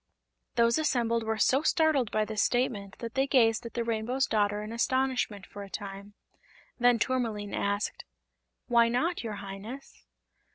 Those assembled were so startled by this statement that they gazed at the Rainbow's Daughter in astonishment for a time. Then Tourmaline asked: "Why not, your Highness?"